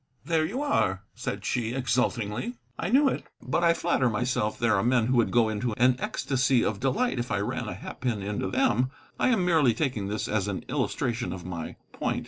"There you are," said she, exultingly; "I knew it. But I flatter myself there are men who would go into an ecstasy of delight if I ran a hat pin into them. I am merely taking this as an illustration of my point."